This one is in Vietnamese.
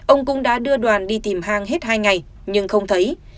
ông cũng đã đưa đoàn đi tìm hang hết hai ngày nhưng không thấy